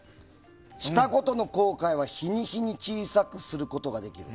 したことの後悔は日に日に小さくすることができる。